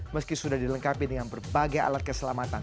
meski sudah dilengkapi dengan berbagai alat keselamatan